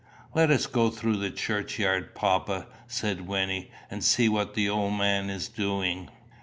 "Let us go through the churchyard, papa," said Wynnie, "and see what the old man is doing."